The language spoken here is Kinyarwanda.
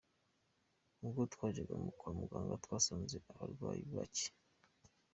Ubwo twajyaga kwa muganga twasanze abarwayi bacye.